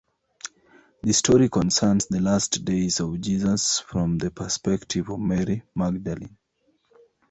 The story concerns the last days of Jesus from the perspective of Mary Magdalene.